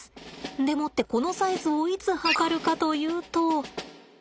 でもってこのサイズをいつ測るかというと。